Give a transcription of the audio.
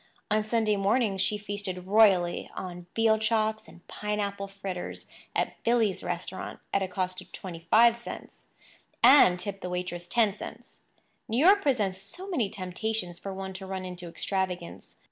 On Sunday mornings she feasted royally on veal chops and pineapple fritters at "Billy's" restaurant, at a cost of twenty five cents—and tipped the waitress ten cents. New York presents so many temptations for one to run into extravagance.